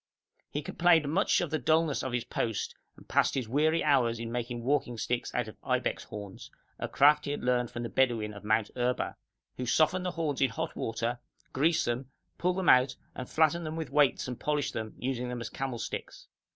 He complained much of the dulness of his post, and passed his weary hours in making walking sticks out of ibex horns, a craft he had learnt from the Bedouin of Mount Erba, who soften the horns in hot water, grease them, pull them out and flatten them with weights and polish them, using them as camel sticks.